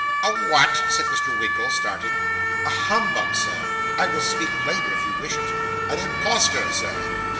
A what?' said Mr. Winkle, starting. 'A humbug, Sir. I will speak plainer, if you wish it. An impostor, sir.